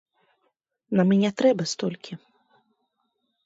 Нам і не трэба столькі.